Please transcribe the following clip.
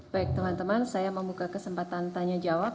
baik teman teman saya membuka kesempatan tanya jawab